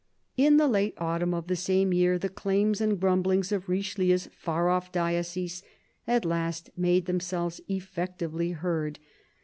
In the late autumn of the same year the claims and grumblings of Richelieu's far off diocese at last made themselves effectively heard.